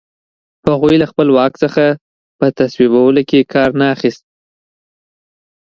هغوی له خپل واک څخه په تصویبولو کې کار نه اخیست.